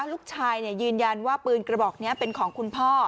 ลูกชายยืนยันว่าปืนกระบอกนี้เป็นของคุณพ่อ